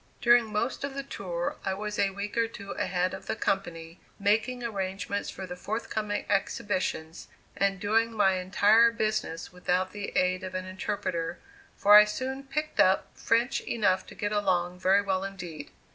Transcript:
During most of the tour I was a week or two ahead of the company, making arrangements for the forthcoming exhibitions, and doing my entire business without the aid of an interpreter, for I soon "picked up" French enough to get along very well indeed.